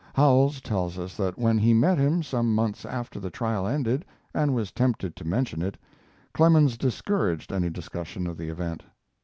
Howells tells us that when he met him some months after the trial ended, and was tempted to mention it, Clemens discouraged any discussion of the event.